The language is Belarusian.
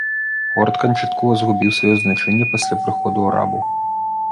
Горад канчаткова згубіў сваё значэнне пасля прыходу арабаў.